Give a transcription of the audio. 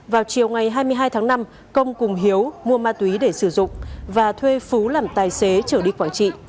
vào chiều ngày hai mươi hai tháng năm công cùng hiếu mua ma túy để sử dụng và thuê phú làm tài xế trở đi quảng trị